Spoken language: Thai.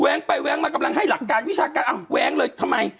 ไปแว้งมากำลังให้หลักการวิชาการอ่ะแว้งเลยทำไม